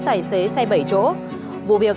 tài xế xe bảy chỗ vụ việc